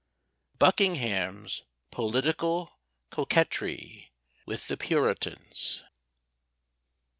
BUCKINGHAM'S POLITICAL COQUETRY WITH THE PURITANS.